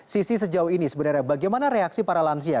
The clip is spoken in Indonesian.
sisi sejauh ini sebenarnya bagaimana reaksi para lansia